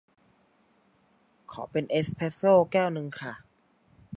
ขอเป็นเอสเพรสโซแก้วนึงค่ะ